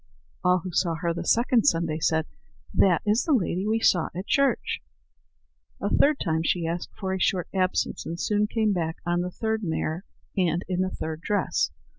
All who saw her the second Sunday said: "That is the lady we saw at church." A third time she asked for a short absence, and soon came back on the third mare and in the third dress.